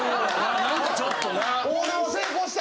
何かちょっとな。